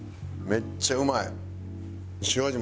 めっちゃうまい！